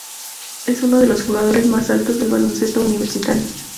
Es uno de los jugadores más altos del baloncesto universitario.